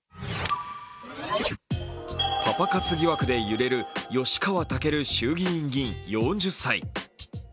パパ活疑惑で揺れる吉川赳衆議院議員４０歳。